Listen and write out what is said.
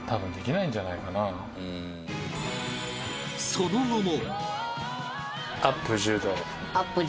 その後も